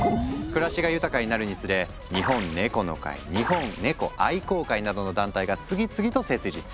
暮らしが豊かになるにつれ「日本ネコの会」「日本猫愛好会」などの団体が次々と設立。